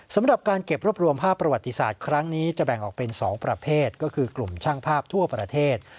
สำหรับการเก็บรวบรวมภาพประวัติศาสตร์ครั้งนี้จะแบ่งออกเป็น๒ประเภทก็คือกลุ่มช่างภาพทั่วประเทศ